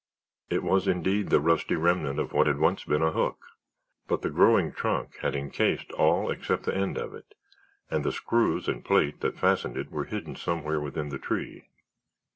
It was indeed the rusty remnant of what had once been a hook but the growing trunk had encased all except the end of it and the screws and plate that fastened it were hidden somewhere within the tree.